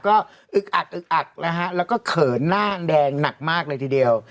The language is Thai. ก็อึกอักแล้วค่ะแล้วก็เขินน่าแดงหนักมากเลยทีเดียว